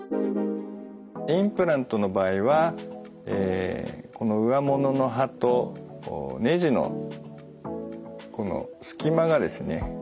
インプラントの場合はこのうわものの歯とねじのこのすき間がですね